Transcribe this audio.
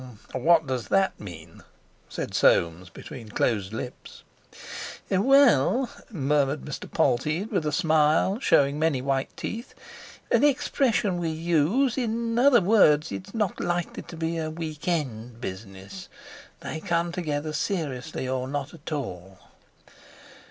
'" "What does that mean?" said Soames between close lips. "Well," murmured Mr. Polteed with a smile, showing many white teeth, "an expression we use. In other words, it's not likely to be a weekend business—they'll come together seriously or not at all."